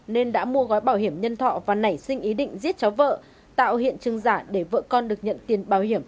nên đã mua gói bảo hiểm nhân thọ và nảy sinh ý định giết cháu vợ tạo hiện trường giả để vợ con được nhận tiền bảo hiểm